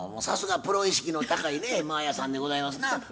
さすがプロ意識の高いね真彩さんでございますな。